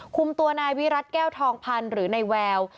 คุมตัวนายวิรัติแก้วทองพันธ์หรือนายแวว